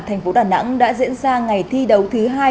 thành phố đà nẵng đã diễn ra ngày thi đấu thứ hai